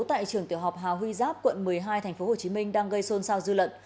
tại trường tiểu học hà huy giáp quận một mươi hai tp hcm đang gây xôn xao dư lận